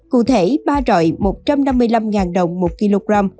cụ thể ba rọi một trăm năm mươi năm đồng một kg